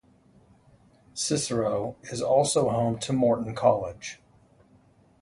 Cicero is also home to Morton College.